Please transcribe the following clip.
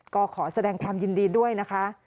ก็ขอแสดงความยินดีด้วยนะคะ